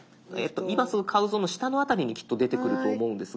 今すぐ買うぞの下の辺りにきっと出てくると思うんですが。